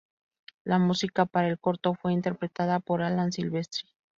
La música para el corto fue interpretada por Alan Silvestri.